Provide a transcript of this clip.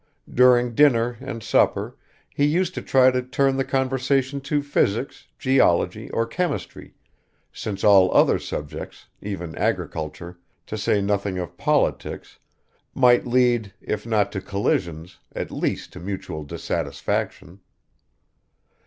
During dinner and supper he used to try to turn the conversation to physics, geology or chemistry, since all other subjects, even agriculture, to say nothing of politics, might lead, if not to collisions, at least to mutual dissatisfaction.